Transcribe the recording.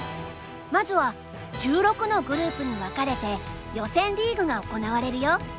まずは１６のグループに分かれて予選リーグが行われるよ。